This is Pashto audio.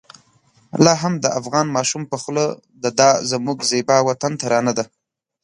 لا هم د افغان ماشوم په خوله د دا زموږ زېبا وطن ترانه ده.